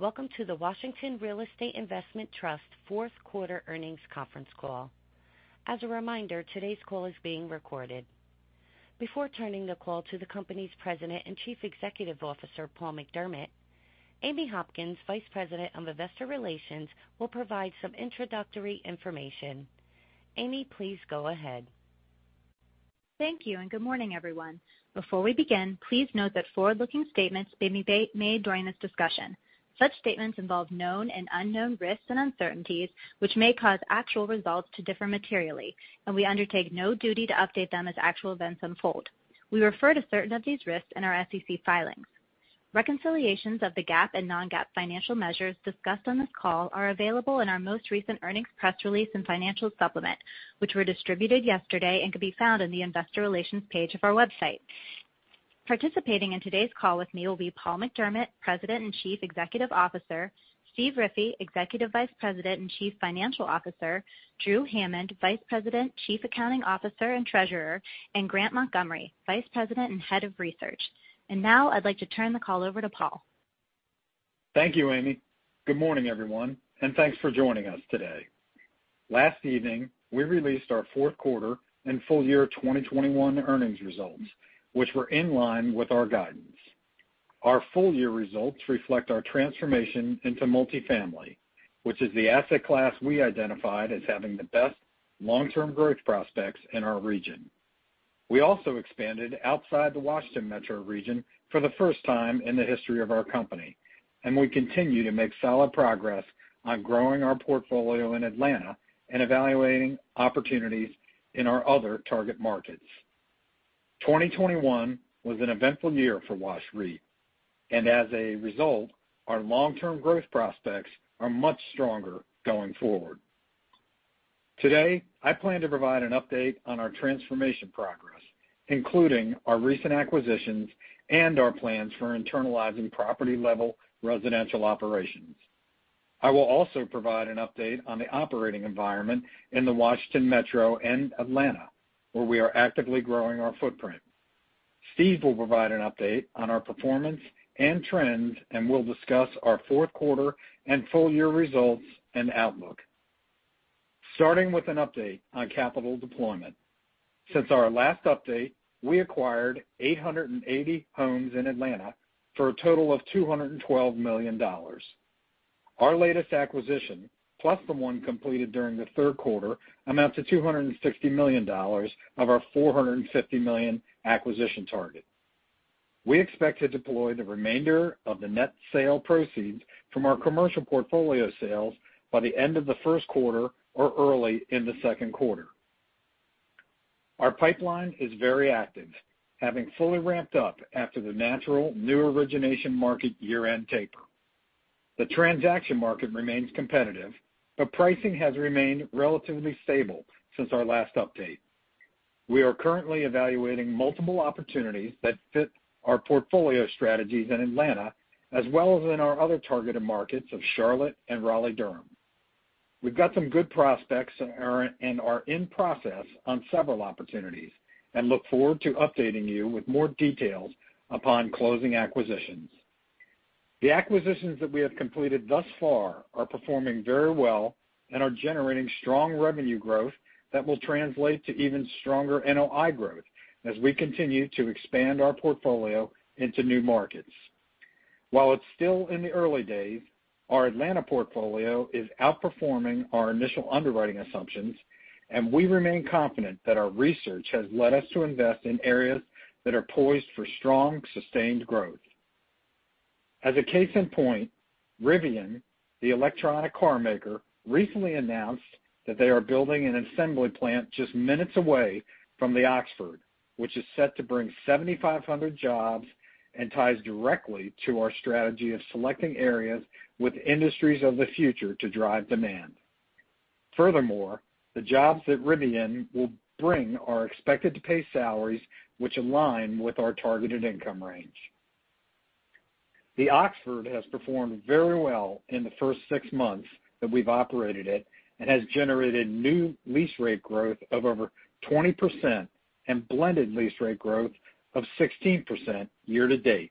Welcome to the Washington Real Estate Investment Trust Fourth Quarter Earnings Conference Call. As a reminder, today's call is being recorded. Before turning the call to the company's President and Chief Executive Officer, Paul McDermott, Amy Hopkins, Vice President of Investor Relations, will provide some introductory information. Amy, please go ahead. Thank you, and good morning, everyone. Before we begin, please note that forward-looking statements may be made during this discussion. Such statements involve known and unknown risks and uncertainties, which may cause actual results to differ materially, and we undertake no duty to update them as actual events unfold. We refer to certain of these risks in our SEC filings. Reconciliations of the GAAP and non-GAAP financial measures discussed on this call are available in our most recent earnings press release and financial supplement, which were distributed yesterday and can be found on the investor relations page of our website. Participating in today's call with me will be Paul McDermott, President and Chief Executive Officer, Steve Riffee, Executive Vice President and Chief Financial Officer, Drew Hammond, Vice President, Chief Accounting Officer, and Treasurer, and Grant Montgomery, Vice President and Head of Research. Now I'd like to turn the call over to Paul. Thank you, Amy. Good morning, everyone, and thanks for joining us today. Last evening, we released our fourth quarter and full year 2021 earnings results, which were in line with our guidance. Our full-year results reflect our transformation into multifamily, which is the asset class we identified as having the best long-term growth prospects in our region. We also expanded outside the Washington Metro region for the first time in the history of our company, and we continue to make solid progress on growing our portfolio in Atlanta and evaluating opportunities in our other target markets. 2021 was an eventful year for WashREIT. As a result, our long-term growth prospects are much stronger going forward. Today, I plan to provide an update on our transformation progress, including our recent acquisitions and our plans for internalizing property-level residential operations. I will also provide an update on the operating environment in the Washington Metro and Atlanta, where we are actively growing our footprint. Steve will provide an update on our performance and trends, and we'll discuss our fourth quarter and full-year results and outlook. Starting with an update on capital deployment. Since our last update, we acquired 880 homes in Atlanta for a total of $212 million. Our latest acquisition, plus the one completed during the third quarter, amounts to $260 million of our $450 million acquisition target. We expect to deploy the remainder of the net sale proceeds from our commercial portfolio sales by the end of the first quarter or early in the second quarter. Our pipeline is very active, having fully ramped up after the natural new origination market year-end taper. The transaction market remains competitive, but pricing has remained relatively stable since our last update. We are currently evaluating multiple opportunities that fit our portfolio strategies in Atlanta as well as in our other targeted markets of Charlotte and Raleigh-Durham. We've got some good prospects and are in process on several opportunities and look forward to updating you with more details upon closing acquisitions. The acquisitions that we have completed thus far are performing very well and are generating strong revenue growth that will translate to even stronger NOI growth as we continue to expand our portfolio into new markets. While it's still in the early days, our Atlanta portfolio is outperforming our initial underwriting assumptions, and we remain confident that our research has led us to invest in areas that are poised for strong, sustained growth. As a case in point, Rivian, the electric car maker, recently announced that they are building an assembly plant just minutes away from The Oxford, which is set to bring 7,500 jobs and ties directly to our strategy of selecting areas with industries of the future to drive demand. Furthermore, the jobs that Rivian will bring are expected to pay salaries which align with our targeted income range. The Oxford has performed very well in the first six months that we've operated it and has generated new lease rate growth of over 20% and blended lease rate growth of 16% year to date.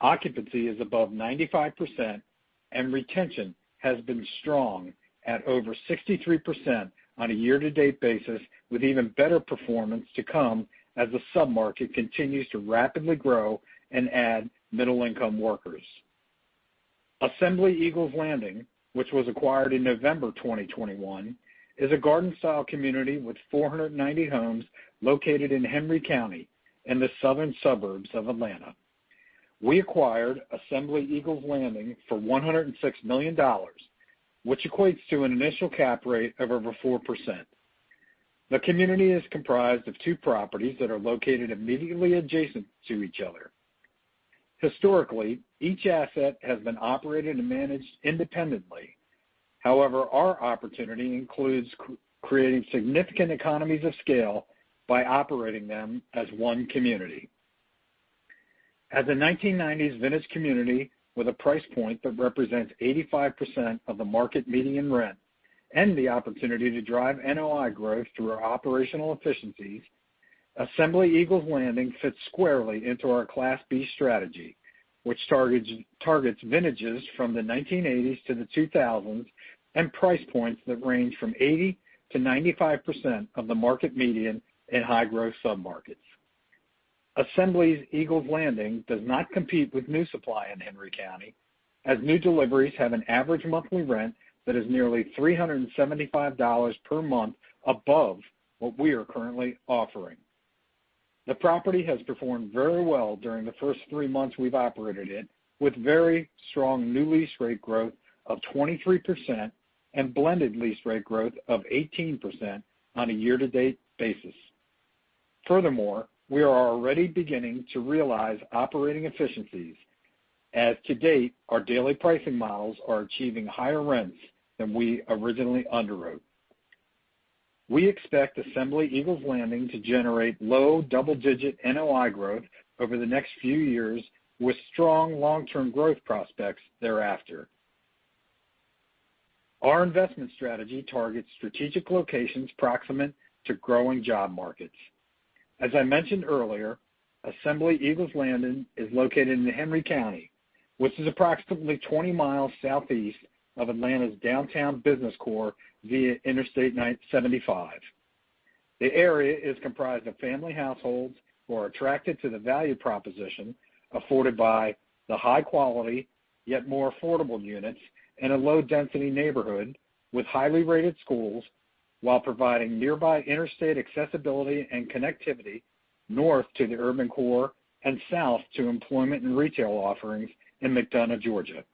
Occupancy is above 95%, and retention has been strong at over 63% on a year-to-date basis, with even better performance to come as the sub-market continues to rapidly grow and add middle-income workers. Assembly Eagles Landing, which was acquired in November 2021, is a garden-style community with 490 homes located in Henry County in the southern suburbs of Atlanta. We acquired Assembly Eagles Landing for $106 million, which equates to an initial cap rate of over 4%. The community is comprised of two properties that are located immediately adjacent to each other. Historically, each asset has been operated and managed independently. However, our opportunity includes creating significant economies of scale by operating them as one community. As a 1990s vintage community with a price point that represents 85% of the market median rent and the opportunity to drive NOI growth through our operational efficiencies. Assembly Eagles Landing fits squarely into our Class B strategy, which targets vintages from the 1980s to the 2000s and price points that range from 80%-95% of the market median in high-growth submarkets. Assembly's Eagles Landing does not compete with new supply in Henry County, as new deliveries have an average monthly rent that is nearly $375 per month above what we are currently offering. The property has performed very well during the first three months we've operated it, with very strong new lease rate growth of 23% and blended lease rate growth of 18% on a year-to-date basis. Furthermore, we are already beginning to realize operating efficiencies as to date, our daily pricing models are achieving higher rents than we originally underwrote. We expect Assembly Eagles Landing to generate low double-digit NOI growth over the next few years, with strong long-term growth prospects thereafter. Our investment strategy targets strategic locations proximate to growing job markets. As I mentioned earlier, Assembly Eagles Landing is located in Henry County, which is approximately 20 mi southeast of Atlanta's downtown business core via Interstate 75. The area is comprised of family households who are attracted to the value proposition afforded by the high quality, yet more affordable units in a low-density neighborhood with highly rated schools while providing nearby interstate accessibility and connectivity north to the urban core and south to employment and retail offerings in McDonough, Georgia.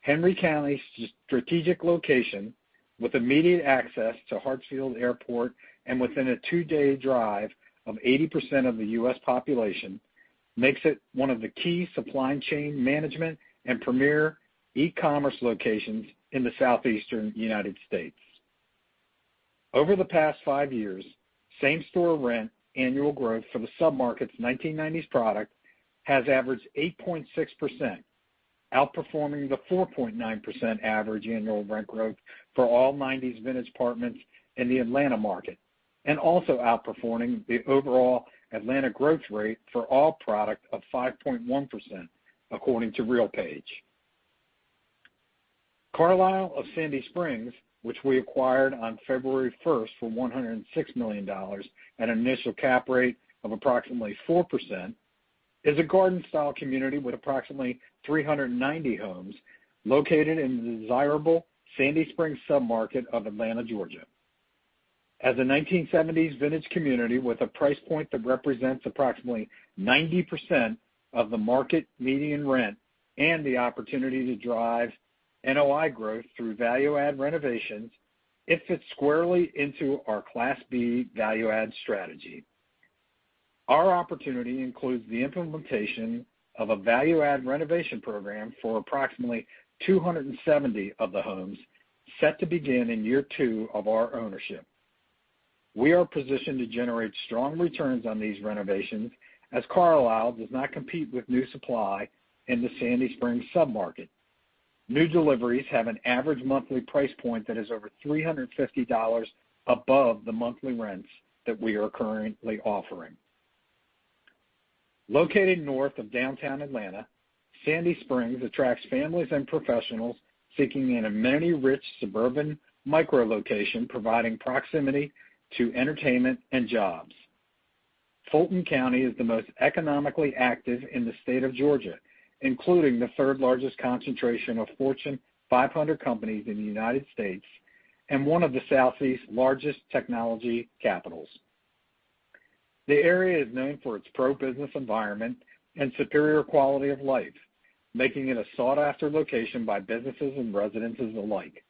Henry County's strategic location, with immediate access to Hartsfield Airport and within a two-day drive of 80% of the U.S. population, makes it one of the key supply chain management and premier e-commerce locations in the southeastern United States. Over the past five years, same-store rent annual growth for the submarket's 1990s product has averaged 8.6%, outperforming the 4.9% average annual rent growth for all 1990s vintage apartments in the Atlanta market, and also outperforming the overall Atlanta growth rate for all product of 5.1%, according to RealPage. The Carlyle of Sandy Springs, which we acquired on February 1st, 2021 for $106 million at an initial cap rate of approximately 4%, is a garden-style community with approximately 390 homes located in the desirable Sandy Springs submarket of Atlanta, Georgia. As a 1970s vintage community with a price point that represents approximately 90% of the market median rent and the opportunity to drive NOI growth through value add renovations, it fits squarely into our Class B value add strategy. Our opportunity includes the implementation of a value add renovation program for approximately 270 of the homes set to begin in year two of our ownership. We are positioned to generate strong returns on these renovations as Carlyle does not compete with new supply in the Sandy Springs submarket. New deliveries have an average monthly price point that is over $350 above the monthly rents that we are currently offering. Located north of downtown Atlanta, Sandy Springs attracts families and professionals seeking an amenity-rich suburban micro location providing proximity to entertainment and jobs. Fulton County is the most economically active in the state of Georgia, including the third-largest concentration of Fortune 500 companies in the United States and one of the Southeast's largest technology capitals. The area is known for its pro-business environment and superior quality of life, making it a sought-after location by businesses and residences alike.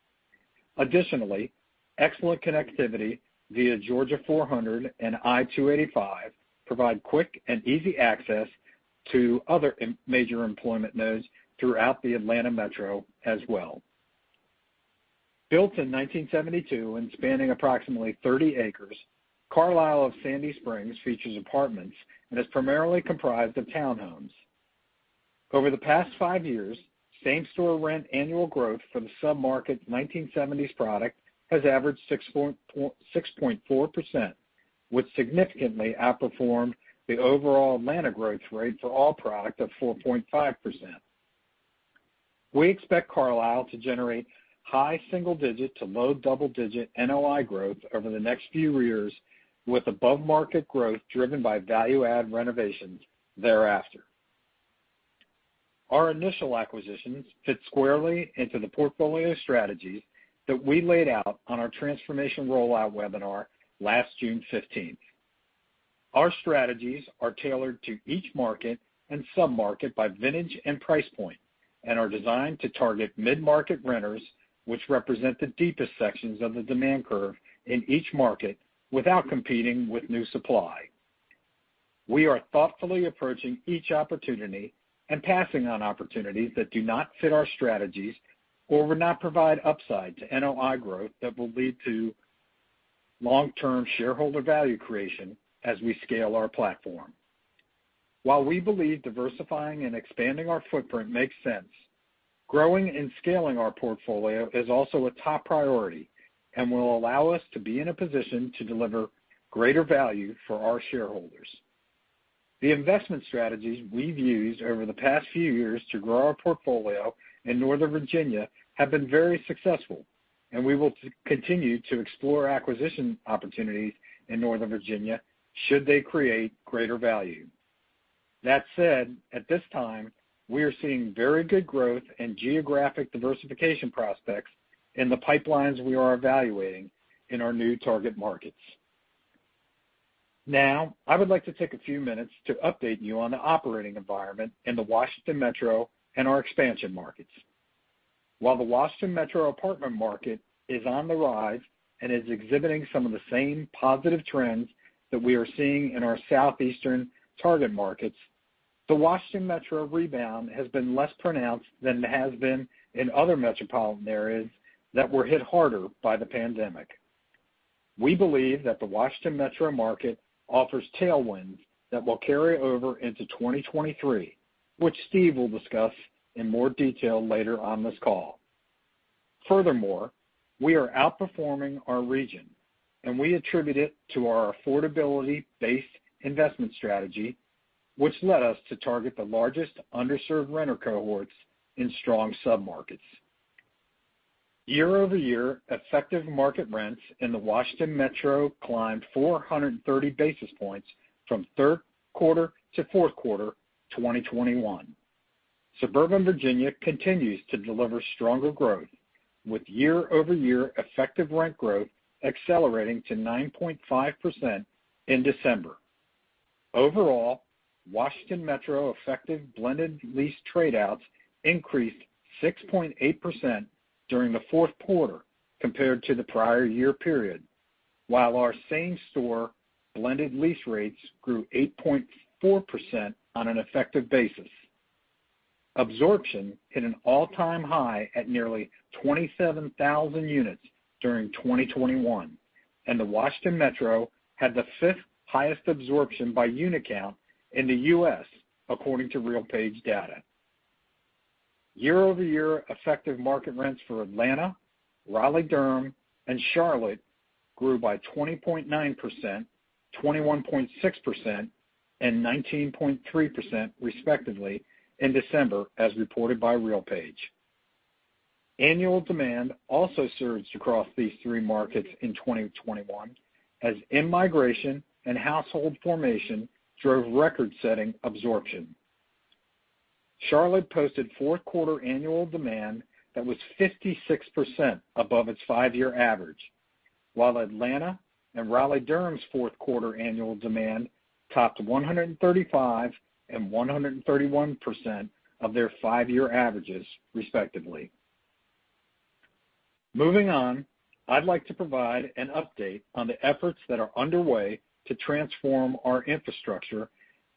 Additionally, excellent connectivity via Georgia 400 and I-285 provides quick and easy access to other major employment nodes throughout the Atlanta metro as well. Built in 1972 and spanning approximately 30 acres, The Carlyle of Sandy Springs features apartments and is primarily comprised of townhomes. Over the past five years, same-store rent annual growth for the submarket 1970s product has averaged 6.4%, which significantly outperformed the overall Atlanta growth rate for all product of 4.5%. We expect Carlyle to generate high single-digit to low double-digit NOI growth over the next few years, with above-market growth driven by value-add renovations thereafter. Our initial acquisitions fit squarely into the portfolio strategies that we laid out on our transformation rollout webinar last June 15th, 2021. Our strategies are tailored to each market and submarket by vintage and price point and are designed to target mid-market renters, which represent the deepest sections of the demand curve in each market without competing with new supply. We are thoughtfully approaching each opportunity and passing on opportunities that do not fit our strategies or would not provide upside to NOI growth that will lead to long-term shareholder value creation as we scale our platform. While we believe diversifying and expanding our footprint makes sense, growing and scaling our portfolio is also a top priority and will allow us to be in a position to deliver greater value for our shareholders. The investment strategies we've used over the past few years to grow our portfolio in Northern Virginia have been very successful, and we will continue to explore acquisition opportunities in Northern Virginia should they create greater value. That said, at this time, we are seeing very good growth and geographic diversification prospects in the pipelines we are evaluating in our new target markets. Now, I would like to take a few minutes to update you on the operating environment in the Washington Metro and our expansion markets. While the Washington Metro apartment market is on the rise and is exhibiting some of the same positive trends that we are seeing in our Southeastern target markets, the Washington Metro rebound has been less pronounced than it has been in other metropolitan areas that were hit harder by the pandemic. We believe that the Washington Metro market offers tailwinds that will carry over into 2023, which Steve will discuss in more detail later on this call. Furthermore, we are outperforming our region, and we attribute it to our affordability-based investment strategy, which led us to target the largest underserved renter cohorts in strong submarkets. Year-over-year effective market rents in the Washington Metro climbed 430-basis points from third quarter to fourth quarter 2021. Suburban Virginia continues to deliver stronger growth, with year-over-year effective rent growth accelerating to 9.5% in December. Overall, Washington Metro effective blended lease tradeouts increased 6.8% during the fourth quarter compared to the prior year period, while our same store blended lease rates grew 8.4% on an effective basis. Absorption hit an all-time high at nearly 27,000 units during 2021, and the Washington Metro had the fifth highest absorption by unit count in the U.S. according to RealPage data. Year-over-year effective market rents for Atlanta, Raleigh-Durham, and Charlotte grew by 20.9%, 21.6%, and 19.3% respectively in December as reported by RealPage. Annual demand also surged across these three markets in 2021 as in-migration and household formation drove record-setting absorption. Charlotte posted fourth quarter annual demand that was 56% above its five-year average, while Atlanta and Raleigh-Durham's fourth quarter annual demand topped 135% and 131% of their five-year averages, respectively. Moving on, I'd like to provide an update on the efforts that are underway to transform our infrastructure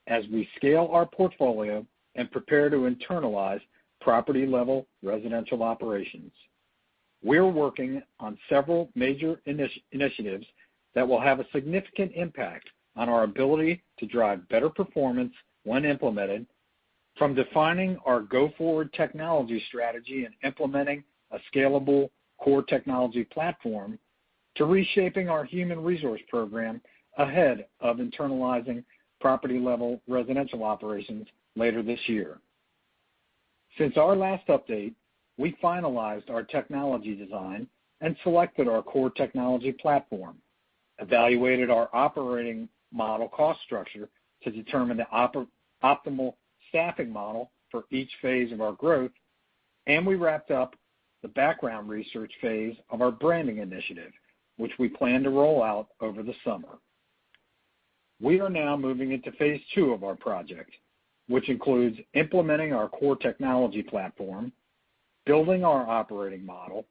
as we scale our portfolio and prepare to internalize property-level residential operations. We're working on several major initiatives that will have a significant impact on our ability to drive better performance when implemented from defining our go-forward technology strategy and implementing a scalable core technology platform to reshaping our human resource program ahead of internalizing property-level residential operations later this year. Since our last update, we finalized our technology design and selected our core technology platform, evaluated our operating model cost structure to determine the optimal staffing model for each phase of our growth, and we wrapped up the background research phase of our branding initiative, which we plan to roll out over the summer. We are now moving into phase II of our project, which includes implementing our core technology platform, building our operating model,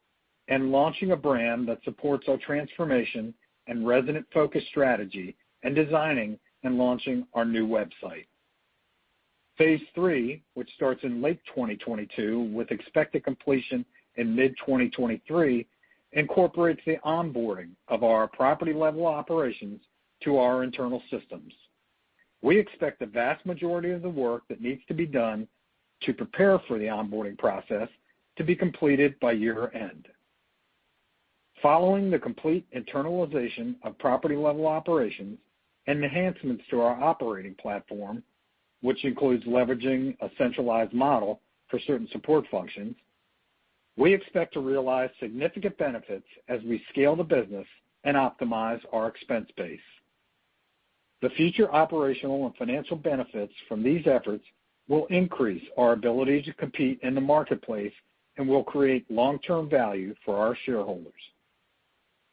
and launching a brand that supports our transformation and resident-focused strategy, and designing and launching our new website. Phase III, which starts in late 2022 with expected completion in mid-2023, incorporates the onboarding of our property-level operations to our internal systems. We expect the vast majority of the work that needs to be done to prepare for the onboarding process to be completed by year-end. Following the complete internalization of property-level operations and enhancements to our operating platform, which includes leveraging a centralized model for certain support functions, we expect to realize significant benefits as we scale the business and optimize our expense base. The future operational and financial benefits from these efforts will increase our ability to compete in the marketplace and will create long-term value for our shareholders.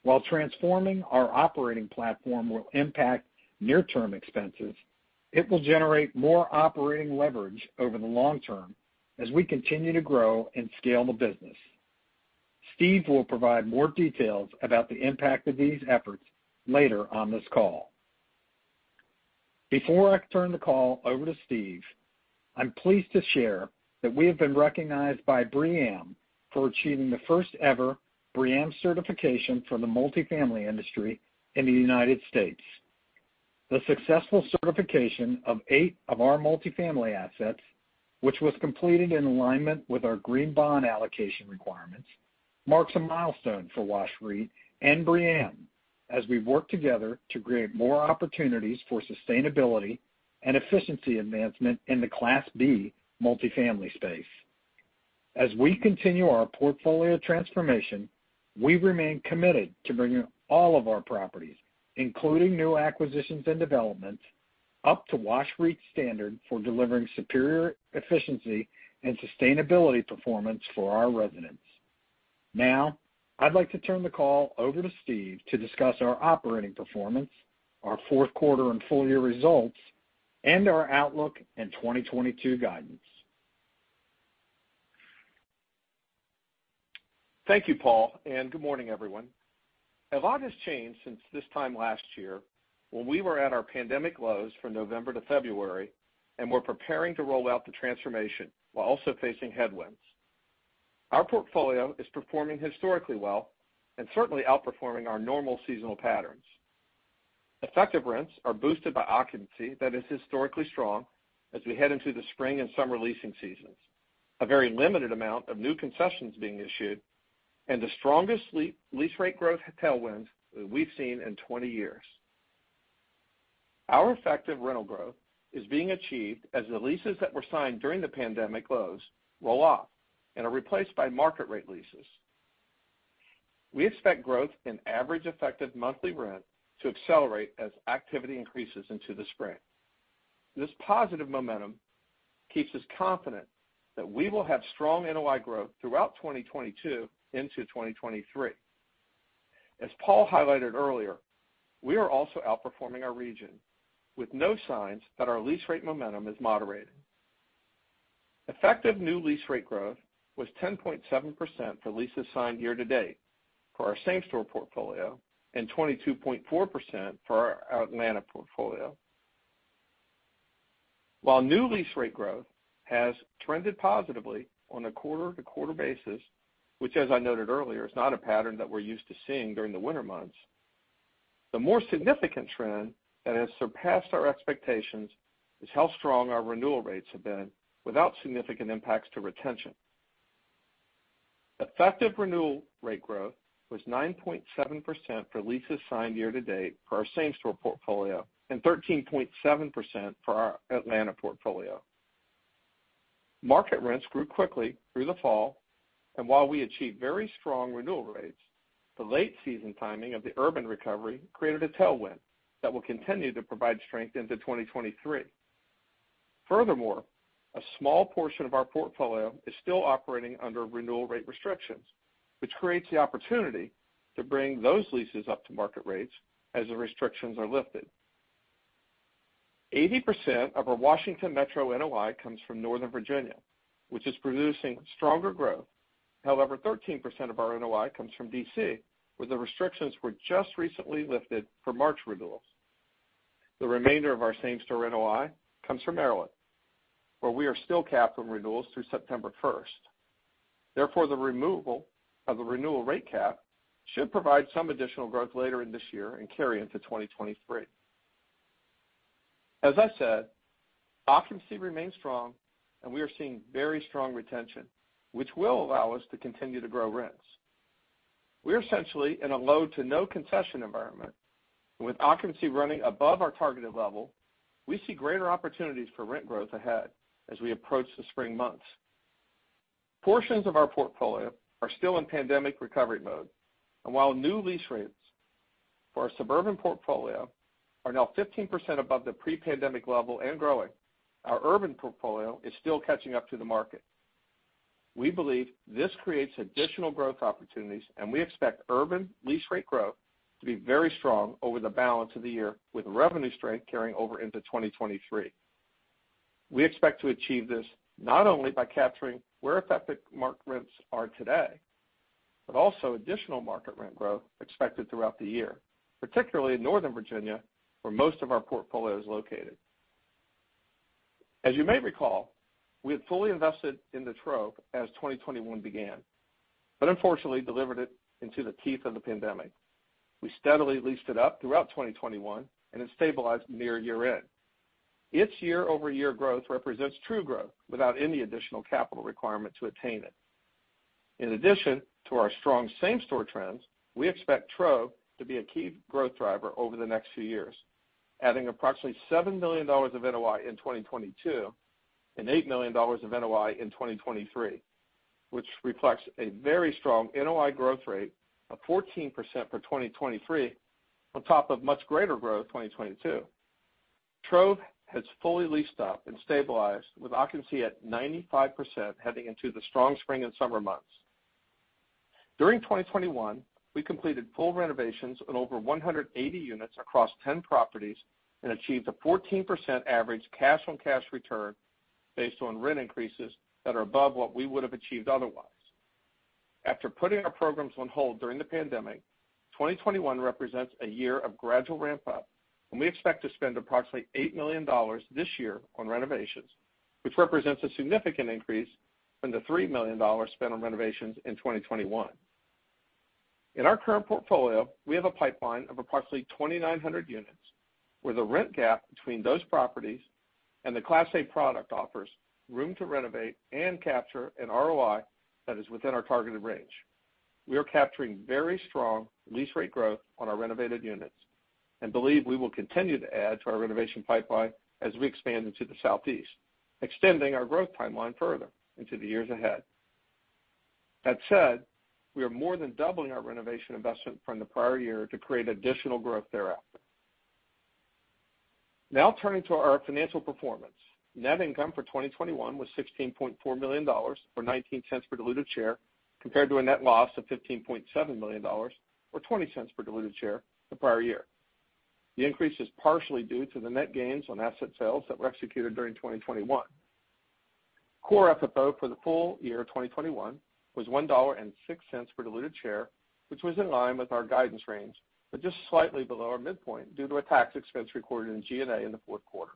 While transforming our operating platform will impact near-term expenses, it will generate more operating leverage over the long term as we continue to grow and scale the business. Steve will provide more details about the impact of these efforts later on this call. Before I turn the call over to Steve. I'm pleased to share that we have been recognized by BREEAM for achieving the first ever BREEAM certification for the multifamily industry in the United States. The successful certification of eight of our multifamily assets, which was completed in alignment with our green bond allocation requirements, marks a milestone for WashREIT and BREEAM as we work together to create more opportunities for sustainability and efficiency advancement in the Class B multifamily space. As we continue our portfolio transformation, we remain committed to bringing all of our properties, including new acquisitions and developments, up to WashREIT's standard for delivering superior efficiency and sustainability performance for our residents. Now, I'd like to turn the call over to Steve to discuss our operating performance, our fourth quarter and full year results, and our outlook and 2022 guidance. Thank you, Paul, and good morning, everyone. A lot has changed since this time last year when we were at our pandemic lows from November to February, and we're preparing to roll out the transformation while also facing headwinds. Our portfolio is performing historically well and certainly outperforming our normal seasonal patterns. Effective rents are boosted by occupancy that is historically strong as we head into the spring and summer leasing seasons, a very limited amount of new concessions being issued, and the strongest lease rate growth tailwinds that we've seen in 20 years. Our effective rental growth is being achieved as the leases that were signed during the pandemic lows roll off and are replaced by market rate leases. We expect growth in average effective monthly rent to accelerate as activity increases into the spring. This positive momentum keeps us confident that we will have strong NOI growth throughout 2022 into 2023. As Paul highlighted earlier, we are also outperforming our region, with no signs that our lease rate momentum is moderating. Effective new lease rate growth was 10.7% for leases signed year to date for our same store portfolio, and 22.4% for our Atlanta portfolio. While new lease rate growth has trended positively on a quarter-over-quarter basis, which as I noted earlier, is not a pattern that we're used to seeing during the winter months. The more significant trend that has surpassed our expectations is how strong our renewal rates have been without significant impacts to retention. Effective renewal rate growth was 9.7% for leases signed year to date for our same store portfolio and 13.7% for our Atlanta portfolio. Market rents grew quickly through the fall, and while we achieved very strong renewal rates, the late season timing of the urban recovery created a tailwind that will continue to provide strength into 2023. Furthermore, a small portion of our portfolio is still operating under renewal rate restrictions, which creates the opportunity to bring those leases up to market rates as the restrictions are lifted. 80% of our Washington Metro NOI comes from Northern Virginia, which is producing stronger growth. However, 13% of our NOI comes from D.C., where the restrictions were just recently lifted for March renewals. The remainder of our same store NOI comes from Maryland, where we are still capped from renewals through September 1st, 2021. Therefore, the removal of the renewal rate cap should provide some additional growth later in this year and carry into 2023. As I said, occupancy remains strong, and we are seeing very strong retention, which will allow us to continue to grow rents. We're essentially in a low to no concession environment, and with occupancy running above our targeted level, we see greater opportunities for rent growth ahead as we approach the spring months. Portions of our portfolio are still in pandemic recovery mode, and while new lease rates for our suburban portfolio are now 15% above the pre-pandemic level and growing, our urban portfolio is still catching up to the market. We believe this creates additional growth opportunities, and we expect urban lease rate growth to be very strong over the balance of the year, with revenue strength carrying over into 2023. We expect to achieve this not only by capturing where effective market rents are today, but also additional market rent growth expected throughout the year, particularly in Northern Virginia, where most of our portfolio is located. As you may recall, we had fully invested in the Trove as 2021 began, but unfortunately delivered it into the teeth of the pandemic. We steadily leased it up throughout 2021, and it stabilized near year-end. Its year-over-year growth represents true growth without any additional capital requirement to attain it. In addition to our strong same store trends, we expect Trove to be a key growth driver over the next few years, adding approximately $7 million of NOI in 2022 and $8 million of NOI in 2023, which reflects a very strong NOI growth rate of 14% for 2023 on top of much greater growth 2022. Trove has fully leased up and stabilized with occupancy at 95% heading into the strong spring and summer months. During 2021, we completed full renovations on over 180 units across 10 properties and achieved a 14% average cash on cash return based on rent increases that are above what we would have achieved otherwise. After putting our programs on hold during the pandemic, 2021 represents a year of gradual ramp up, and we expect to spend approximately $8 million this year on renovations, which represents a significant increase from the $3 million spent on renovations in 2021. In our current portfolio, we have a pipeline of approximately 2,900 units where the rent gap between those properties and the Class A product offers room to renovate and capture an ROI that is within our targeted range. We are capturing very strong lease rate growth on our renovated units and believe we will continue to add to our renovation pipeline as we expand into the Southeast, extending our growth timeline further into the years ahead. That said, we are more than doubling our renovation investment from the prior year to create additional growth thereafter. Now turning to our financial performance. Net income for 2021 was $16.4 million, or $0.19 per diluted share, compared to a net loss of $15.7 million or $0.20 per diluted share the prior year. The increase is partially due to the net gains on asset sales that were executed during 2021. Core FFO for the full year 2021 was $1.06 per diluted share, which was in line with our guidance range, but just slightly below our midpoint due to a tax expense recorded in G&A in the fourth quarter.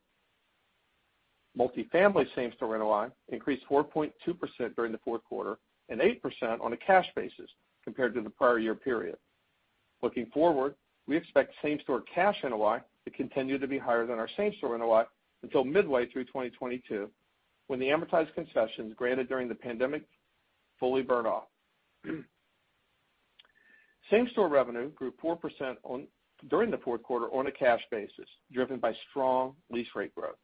Multifamily same-store NOI increased 4.2% during the fourth quarter and 8% on a cash basis compared to the prior year period. Looking forward, we expect same-store cash NOI to continue to be higher than our same-store NOI until midway through 2022, when the amortized concessions granted during the pandemic fully burn off. Same-store revenue grew 4% during the fourth quarter on a cash basis, driven by strong lease rate growth.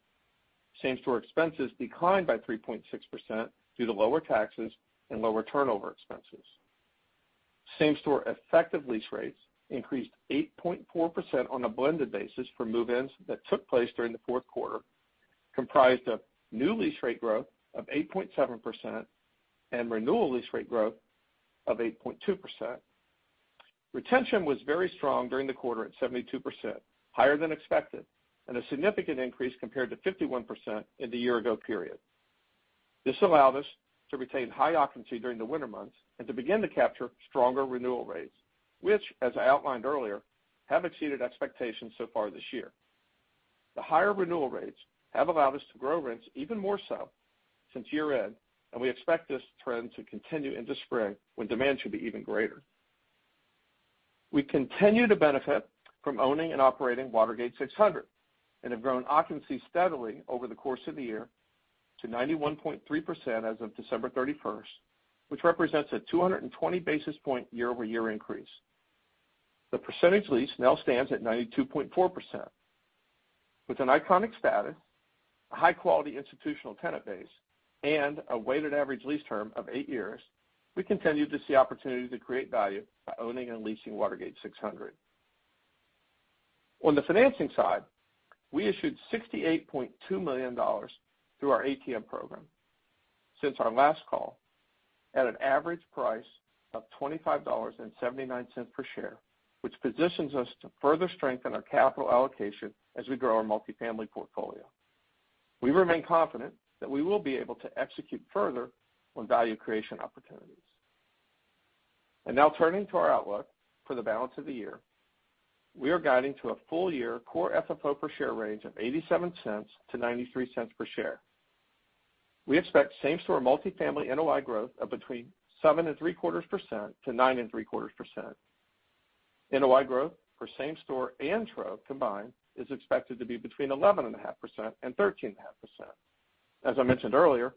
Same-store expenses declined by 3.6% due to lower taxes and lower turnover expenses. Same-store effective lease rates increased 8.4% on a blended basis for move-ins that took place during the fourth quarter, comprised of new lease rate growth of 8.7% and renewal lease rate growth of 8.2%. Retention was very strong during the quarter at 72% higher than expected, and a significant increase compared to 51% in the year ago period. This allowed us to retain high occupancy during the winter months and to begin to capture stronger renewal rates, which, as I outlined earlier, have exceeded expectations so far this year. The higher renewal rates have allowed us to grow rents even more so since year-end, and we expect this trend to continue into spring when demand should be even greater. We continue to benefit from owning and operating Watergate 600 and have grown occupancy steadily over the course of the year to 91.3% as of December 31st, 2021, which represents a 220 basis points year-over-year increase. The percentage lease now stands at 92.4%. With an iconic status, a high-quality institutional tenant base, and a weighted average lease term of eight years, we continue to see opportunities to create value by owning and leasing Watergate 600. On the financing side, we issued $68.2 million through our ATM program since our last call at an average price of $25.79 per share, which positions us to further strengthen our capital allocation as we grow our multifamily portfolio. We remain confident that we will be able to execute further on value creation opportunities. Now turning to our outlook for the balance of the year. We are guiding to a full-year core FFO per share range of $0.87-$0.93 per share. We expect same-store multifamily NOI growth of between 7.75% and 9.75%. NOI growth for same-store and Trove combined is expected to be between 11.5% and 13.5%. As I mentioned earlier,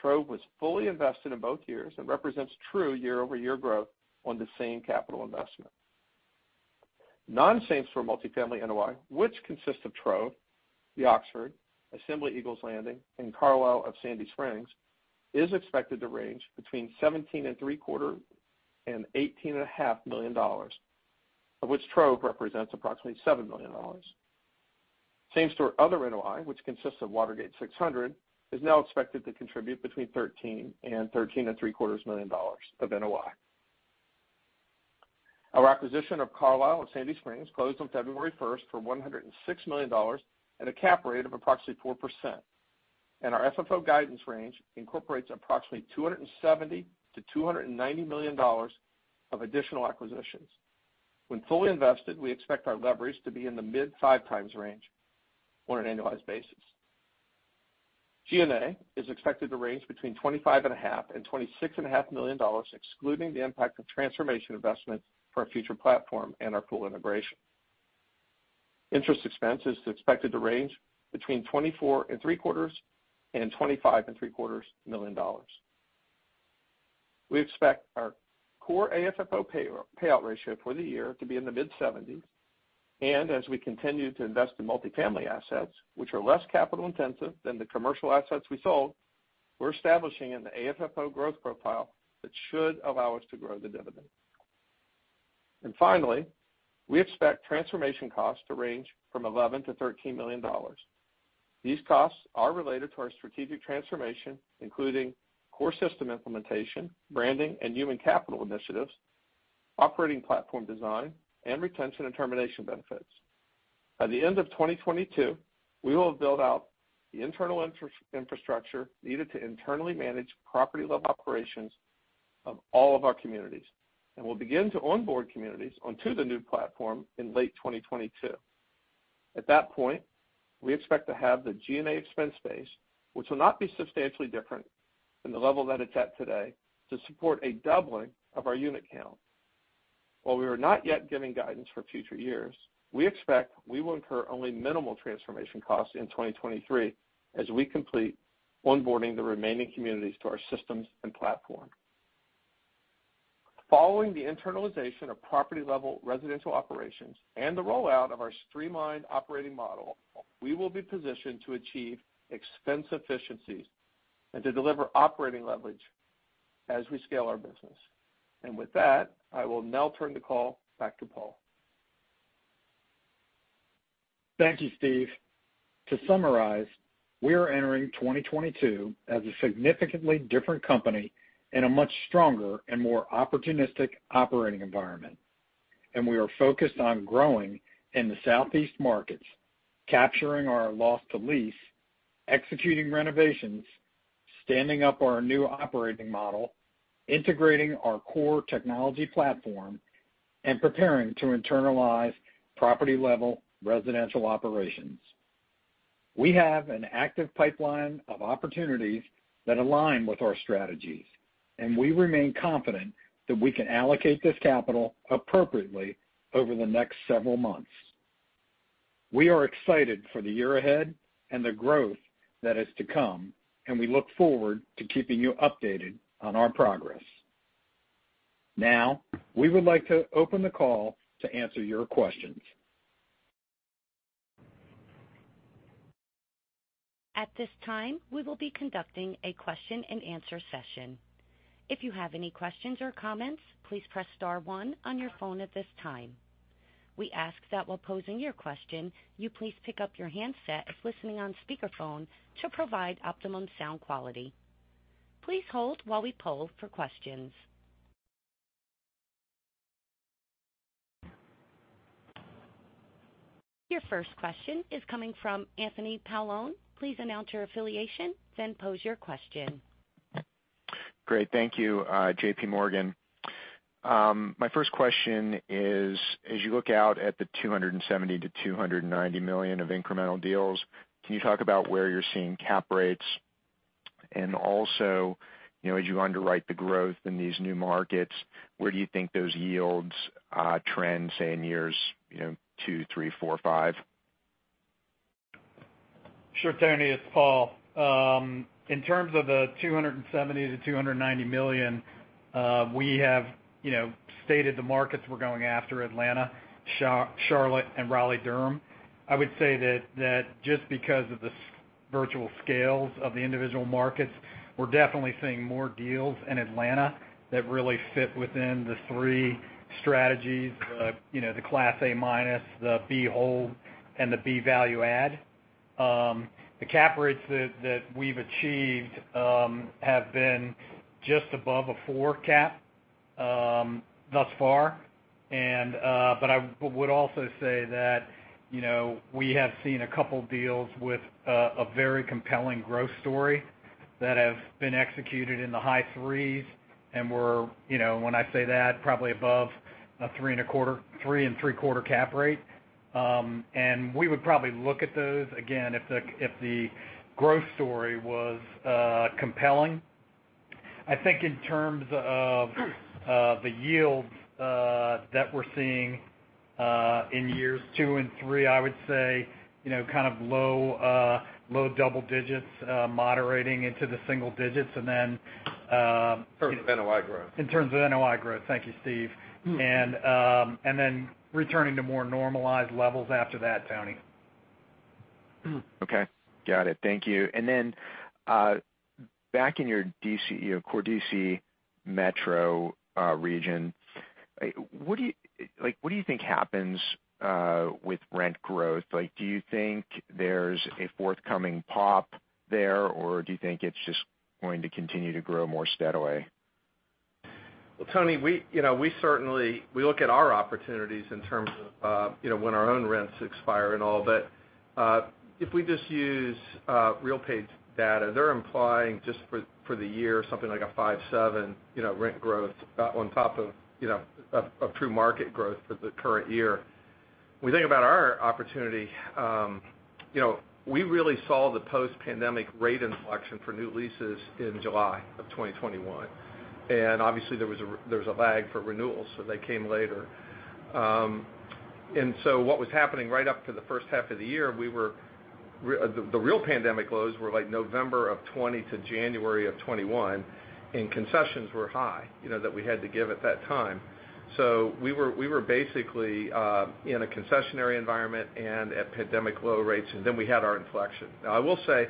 Trove was fully invested in both years and represents true year-over-year growth on the same capital investment. Non-same-store multifamily NOI, which consists of Trove, The Oxford, Assembly Eagles Landing, and The Carlyle of Sandy Springs, is expected to range between $17.75 Million and $18.5 million, of which Trove represents approximately $7 million. Same store other NOI, which consists of Watergate 600, is now expected to contribute between $13 million and $13.75 million of NOI. Our acquisition of Carlyle of Sandy Springs closed on February 1st, 2021 for $106 million at a cap rate of approximately 4%, and our FFO guidance range incorporates approximately $270 million-$290 million of additional acquisitions. When fully invested, we expect our leverage to be in the mid-5x range on an annualized basis. G&A is expected to range between $25.5 million and $26.5 million, excluding the impact of transformation investments for our future platform and our pool integration. Interest expense is expected to range between $24.75 million and $25.75 million. We expect our core AFFO payout ratio for the year to be in the mid-70%. As we continue to invest in multifamily assets, which are less capital intensive than the commercial assets we sold, we're establishing an AFFO growth profile that should allow us to grow the dividend. Finally, we expect transformation costs to range from $11 million-$13 million. These costs are related to our strategic transformation, including core system implementation, branding, and human capital initiatives, operating platform design, and retention and termination benefits. By the end of 2022, we will have built out the internal infrastructure needed to internally manage property-level operations of all of our communities, and we'll begin to onboard communities onto the new platform in late 2022. At that point, we expect to have the G&A expense base, which will not be substantially different than the level that it's at today to support a doubling of our unit count. While we are not yet giving guidance for future years, we expect we will incur only minimal transformation costs in 2023 as we complete onboarding the remaining communities to our systems and platform. Following the internalization of property-level residential operations and the rollout of our streamlined operating model, we will be positioned to achieve expense efficiencies and to deliver operating leverage as we scale our business. With that, I will now turn the call back to Paul. Thank you, Steve. To summarize, we are entering 2022 as a significantly different company in a much stronger and more opportunistic operating environment. We are focused on growing in the Southeast markets, capturing our loss to lease, executing renovations, standing up our new operating model, integrating our core technology platform, and preparing to internalize property-level residential operations. We have an active pipeline of opportunities that align with our strategies, and we remain confident that we can allocate this capital appropriately over the next several months. We are excited for the year ahead and the growth that is to come, and we look forward to keeping you updated on our progress. Now, we would like to open the call to answer your questions. At this time, we will be conducting a question-and-answer session. If you have any questions or comments, please press star one on your phone at this time. We ask that while posing your question, you please pick up your handset if listening on speakerphone to provide optimum sound quality. Please hold while we poll for questions. Your first question is coming from Anthony Paolone. Please announce your affiliation, then pose your question. Great. Thank you, JPMorgan. My first question is, as you look out at the $270 million-$290 million of incremental deals, can you talk about where you're seeing cap rates? Also, you know, as you underwrite the growth in these new markets, where do you think those yields trend, say, in years two, three, four, five? Sure, Tony, it's Paul. In terms of the $270 million-$290 million, we have, you know, stated the markets we're going after Atlanta, Charlotte and Raleigh-Durham. I would say that just because of the substantial scales of the individual markets, we're definitely seeing more deals in Atlanta that really fit within the three strategies, you know, the Class A-, the B hold and the B value add. The cap rates that we've achieved have been just above a four cap thus far. I would also say that, you know, we have seen a couple deals with a very compelling growth story that have been executed in the high threes. We're, you know, when I say that, probably above a 3% and 3.25% cap rate. We would probably look at those again if the growth story was compelling. I think in terms of the yields that we're seeing in years two and three, I would say, you know, kind of low double digits, moderating into the single digits. In terms of NOI growth. In terms of NOI growth. Thank you, Steve. Returning to more normalized levels after that, Tony. Okay. Got it. Thank you. Back in your D.C., you know, core D.C. metro region, like, what do you think happens with rent growth? Like, do you think there's a forthcoming pop there, or do you think it's just going to continue to grow more steadily? Well, Tony, you know, we certainly look at our opportunities in terms of, you know, when our own rents expire and all. If we just use RealPage data, they're implying just for the year, something like a 5% to 7%, you know, rent growth on top of, you know, a true market growth for the current year. When we think about our opportunity, you know, we really saw the post-pandemic rate inflection for new leases in July of 2021. Obviously, there was a lag for renewals, so they came later. What was happening right up to the first half of the year, the real pandemic lows were like November of 2020 to January of 2021, and concessions were high, you know, that we had to give at that time. We were basically in a concessionary environment and at pandemic low rates, and then we had our inflection. Now I will say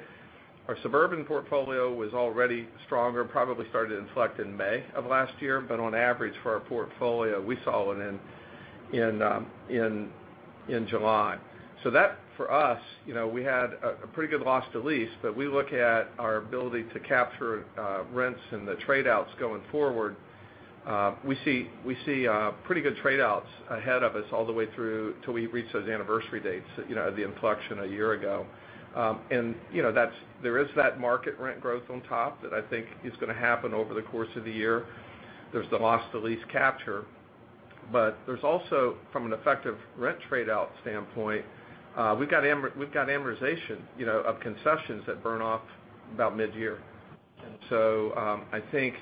our suburban portfolio was already stronger, probably started to inflect in May of last year. On average, for our portfolio, we saw it in July. That for us, you know, we had a pretty good loss to lease, but we look at our ability to capture rents and the trade-outs going forward. We see pretty good trade-outs ahead of us all the way through till we reach those anniversary dates, you know, the inflection a year ago. You know, that's there is that market rent growth on top that I think is gonna happen over the course of the year. There's the loss to lease capture, but there's also, from an effective rent trade-out standpoint, we've got amortization, you know, of concessions that burn off about mid-year. I think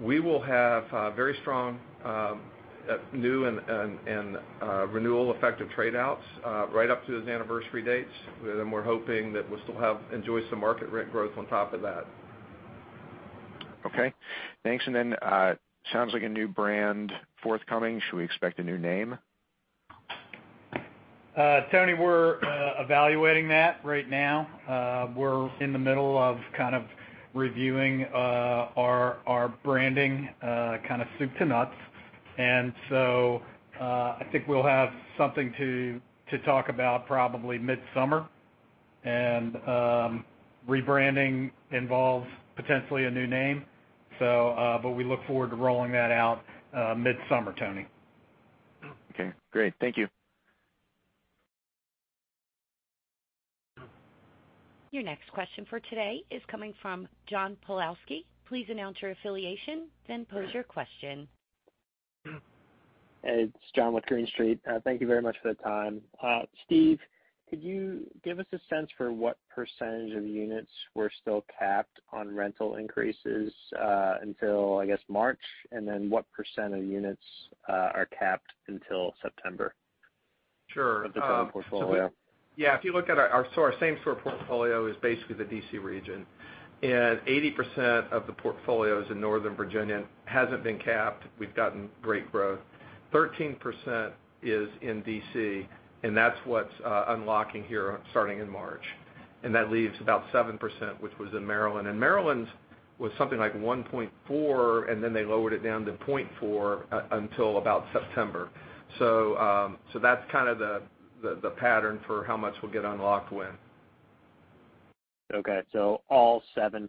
we will have very strong new and renewal effective trade-outs right up to those anniversary dates. We're hoping that we'll still enjoy some market rent growth on top of that. Okay. Thanks, and then, sounds like a new brand forthcoming. Should we expect a new name? Tony, we're evaluating that right now. We're in the middle of kind of reviewing our branding kind of soup to nuts. I think we'll have something to talk about probably midsummer. Rebranding involves potentially a new name, so, but we look forward to rolling that out midsummer, Tony. Okay, great. Thank you. Your next question for today is coming from John Pawlowski. Please announce your affiliation, then pose your question. It's John with Green Street. Thank you very much for the time. Steve, could you give us a sense for what percentage of units were still capped on rental increases until, I guess, March? What percent of units are capped until September... Sure. Of the total portfolio? Yeah, if you look at our same store portfolio is basically the D.C. region, and 80% of the portfolio is in Northern Virginia, hasn't been capped. We've gotten great growth. 13% is in D.C., and that's what's unlocking here starting in March. That leaves about 7%, which was in Maryland. Maryland's was something like 1.4%, and then they lowered it down to 0.4% until about September. That's kind of the pattern for how much we'll get unlocked when. Okay. All 7%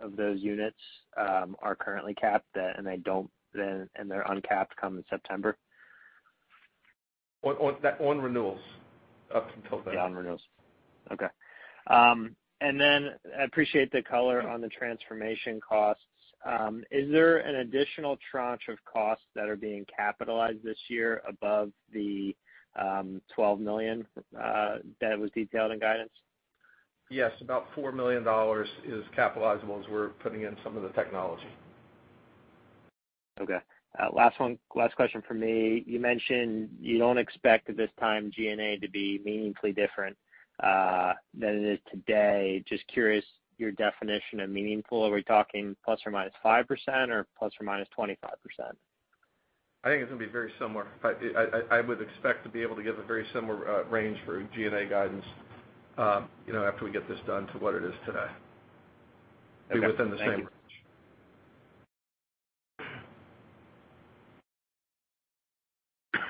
of those units are currently capped, and then they're uncapped coming September? On renewals up until then. Yeah, on renewals. Okay. I appreciate the color on the transformation costs. Is there an additional tranche of costs that are being capitalized this year above the $12 million that was detailed in guidance? Yes, about $4 million is capitalizable as we're putting in some of the technology. Okay. Last one, last question from me. You mentioned you don't expect at this time G&A to be meaningfully different than it is today. Just curious your definition of meaningful. Are we talking ±5% or ±25%? I think it's gonna be very similar. I would expect to be able to give a very similar range for G&A guidance, you know, after we get this done to what it is today. Okay. It'll be within the same range. Thank you.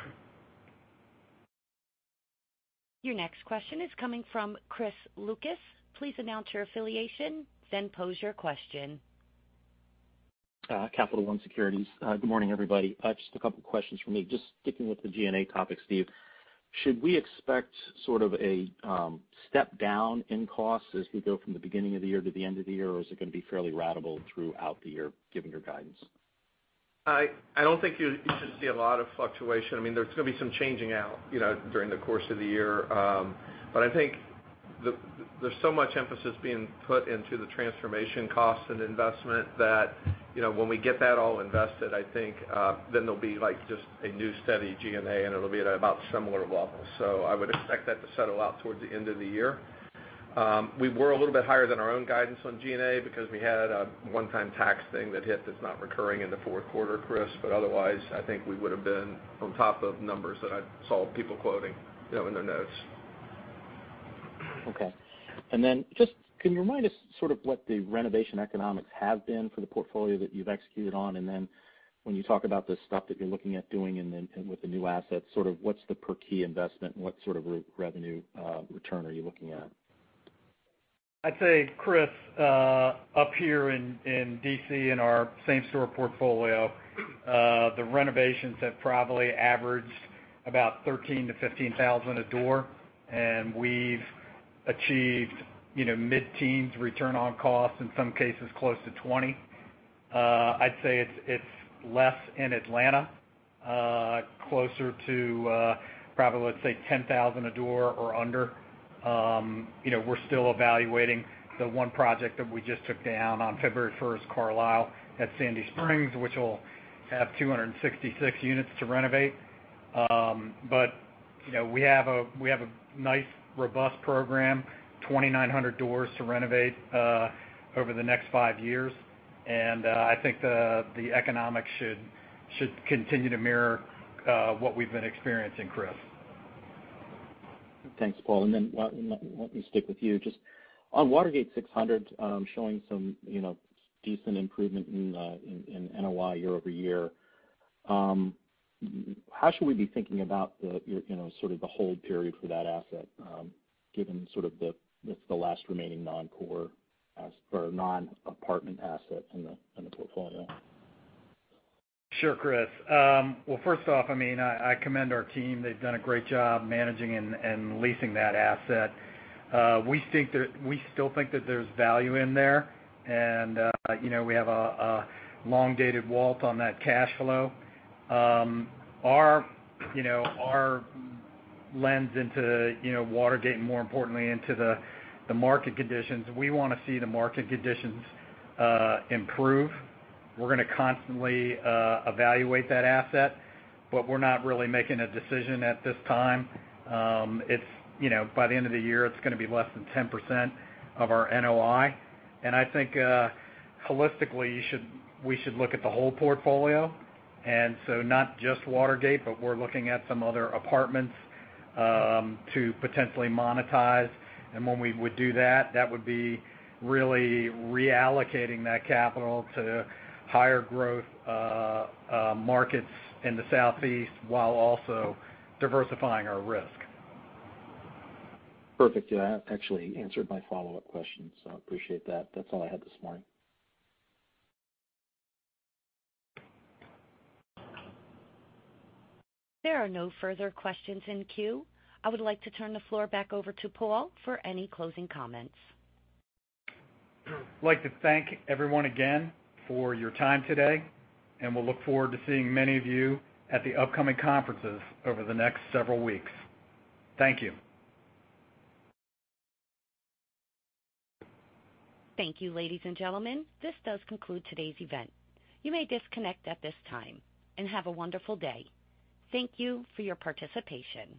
Your next question is coming from Chris Lucas. Please announce your affiliation, then pose your question. Capital One Securities. Good morning, everybody. Just a couple questions from me. Just sticking with the G&A topic, Steve. Should we expect sort of a step down in costs as we go from the beginning of the year to the end of the year? Or is it gonna be fairly ratable throughout the year given your guidance? I don't think you should see a lot of fluctuation. I mean, there's gonna be some changing out, you know, during the course of the year. I think there's so much emphasis being put into the transformation costs and investment that, you know, when we get that all invested, I think then there'll be like just a new steady G&A, and it'll be at about similar levels. I would expect that to settle out towards the end of the year. We were a little bit higher than our own guidance on G&A because we had a one-time tax thing that hit that's not recurring in the fourth quarter, Chris. Otherwise, I think we would've been on top of numbers that I saw people quoting, you know, in their notes. Okay. Just can you remind us sort of what the renovation economics have been for the portfolio that you've executed on? When you talk about the stuff that you're looking at doing and then, and with the new assets, sort of what's the per key investment and what sort of revenue return are you looking at? I'd say, Chris, up here in D.C., in our same store portfolio, the renovations have probably averaged about $13,000-$15,000 a door, and we've achieved, you know, mid-teens return on cost, in some cases close to $20,000. I'd say it's less in Atlanta, closer to, probably, let's say, $10,000 a door or under. You know, we're still evaluating the one project that we just took down on February 1st, 2021, The Carlyle of Sandy Springs, which will have 266 units to renovate. But, you know, we have a nice, robust program, 2,900 doors to renovate over the next five years. I think the economics should continue to mirror what we've been experiencing, Chris. Thanks, Paul. Let me stick with you. Just on Watergate 600, showing some decent improvement in NOI year-over-year. How should we be thinking about the sort of the hold period for that asset, given sort of it's the last remaining non-core or non-apartment asset in the portfolio? Sure, Chris. Well, first off, I mean, I commend our team. They've done a great job managing and leasing that asset. We still think that there's value in there. You know, we have a long-dated wallet on that cash flow. Our lens into Watergate and more importantly, into the market conditions, we wanna see the market conditions improve. We're gonna constantly evaluate that asset, but we're not really making a decision at this time. You know, by the end of the year, it's gonna be less than 10% of our NOI. I think, holistically, we should look at the whole portfolio. Not just Watergate, but we're looking at some other apartments to potentially monetize. When we would do that would be really reallocating that capital to higher growth markets in the Southeast while also diversifying our risk. Perfect. Yeah, that actually answered my follow-up question, so I appreciate that. That's all I had this morning. There are no further questions in queue. I would like to turn the floor back over to Paul for any closing comments. I'd like to thank everyone again for your time today, and we'll look forward to seeing many of you at the upcoming conferences over the next several weeks. Thank you. Thank you, ladies and gentlemen. This does conclude today's event. You may disconnect at this time, and have a wonderful day. Thank you for your participation.